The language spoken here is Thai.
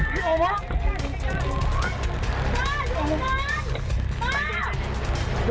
ป้าป้าป้าป้า